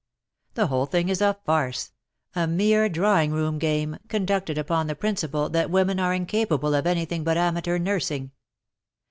The whole thing is a farce — a mere drawing room game, conducted upon the principle that women are incapable of anything but amateur nursing.